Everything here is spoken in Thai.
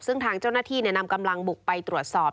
ซึ่งทางเจ้าหน้าที่นำกำลังบุกไปตรวจสอบ